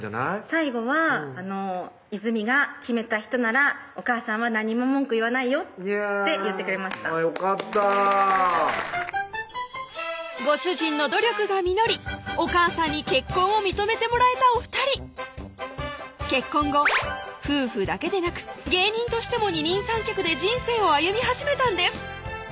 最後は「泉が決めた人ならお母さんは何も文句言わないよ」って言ってくれましたよかったご主人の努力が実りお母さんに結婚を認めてもらえたお２人結婚後夫婦だけでなく芸人としても二人三脚で人生を歩み始めたんです